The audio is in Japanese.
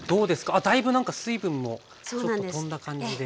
あっだいぶなんか水分もちょっと飛んだ感じで。